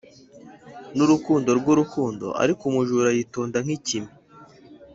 n'urukundo rw'urukundo, ariko umujura yitonda nk'ikime.